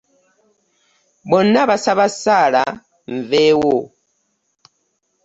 Bonna basaba ssaala nveewo.